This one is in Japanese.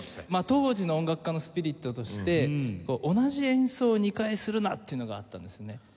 当時の音楽家のスピリットとして同じ演奏を２回するな！っていうのがあったんですね。